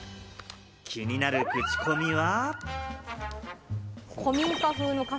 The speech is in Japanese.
気になるクチコミは？